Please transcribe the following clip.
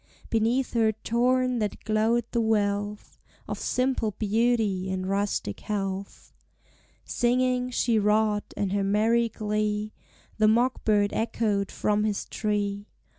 Beneath her torn hat glowed the wealth Of simple beauty and rustic health. Singing, she wrought, and her merry glee The mock bird echoed from his tree.